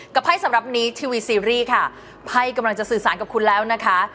ไพ่สำหรับนี้ทีวีซีรีส์ค่ะไพ่กำลังจะสื่อสารกับคุณแล้วนะคะ